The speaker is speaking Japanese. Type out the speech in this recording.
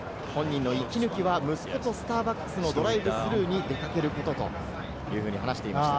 本人の息抜きは息子とスターバックスのドライブスルーに出掛けることと話していました。